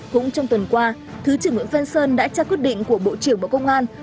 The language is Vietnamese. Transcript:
cũng trong tuần qua thứ trưởng nguyễn văn sơn đã trao quyết định của bộ trưởng bộ công an